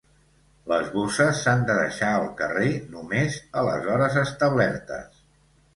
Les bosses s'han de deixar al carrer només a les hores establertes.